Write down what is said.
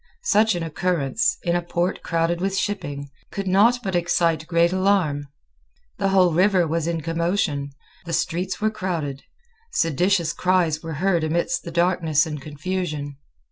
Such an occurrence, in a port crowded with shipping, could not but excite great alarm. The whole river was in commotion. The streets were crowded. Seditious cries were heard amidst the darkness and confusion.